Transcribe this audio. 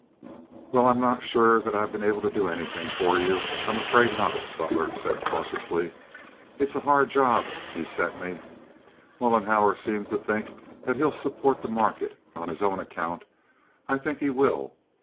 "Well, I'm not sure that I've been able to do anything for you. I'm afraid not," Butler said, cautiously. "It's a hard job you set me. Mollenhauer seems to think that he'll support the market, on his own account. I think he will.